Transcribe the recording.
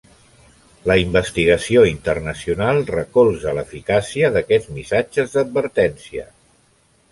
La investigació internacional recolza l'eficàcia d'aquests missatges d'advertència.